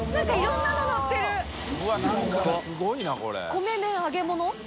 米麺揚げ物？